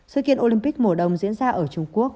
sự kiện olympic mùa đông diễn ra ở trung quốc